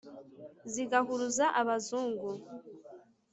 zigahuruza abazungu,